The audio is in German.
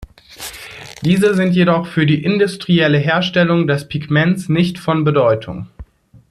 Diese sind jedoch für die industrielle Herstellung des Pigments nicht von Bedeutung.